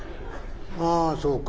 「あそうか。